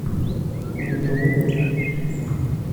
Ungal-a yerna-yas deg cciɛa.